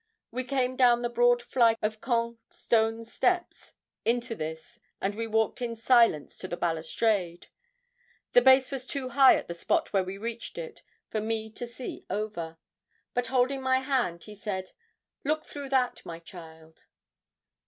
We came down the broad flight of Caen stone steps into this, and we walked in silence to the balustrade. The base was too high at the spot where we reached it for me to see over; but holding my hand, he said, 'Look through that, my child.